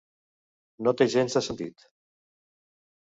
No té gens de sentit